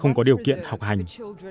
không có điều kiện học hành